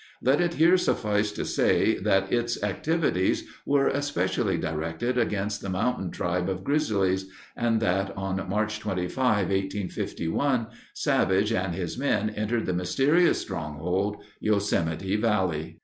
Let it here suffice to say that its activities were especially directed against the mountain tribe of "Grizzlies," and that on March 25, 1851, Savage and his men entered the mysterious stronghold, Yosemite Valley.